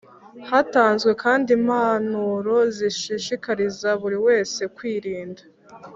Hatanzwe kandi impanuro zishishikariza buri wese kwirinda